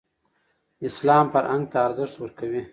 اسلام فرهنګ ته ارزښت ورکوي.